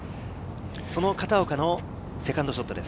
その片岡のセカンドショットです。